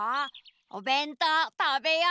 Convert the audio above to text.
おべんとうたべよう！